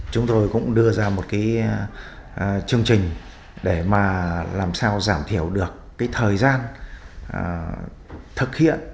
chúng tôi cũng đưa ra một chương trình để làm sao giảm thiểu được thời gian thực hiện